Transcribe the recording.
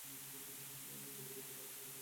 আমরা এই জগতে উপকার সাধন বিশেষ কিছুই করিতে পারি না।